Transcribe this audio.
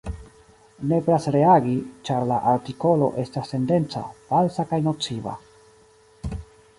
Nepras reagi, ĉar la artikolo estas tendenca, falsa kaj nociva.